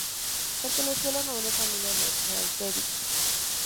Pertenecía a la noble familia Mrnjavčević.